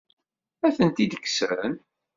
Ad tent-id-kksen?